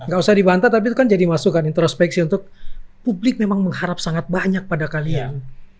gak usah dibantah tapi itu kan jadi masukan introspeksi untuk publik memang mengharap sangat banyak pada kalian